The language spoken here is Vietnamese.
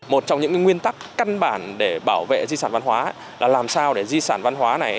một trong những nguyên tắc căn bản để bảo vệ di sản văn hóa là làm sao để di sản văn hóa này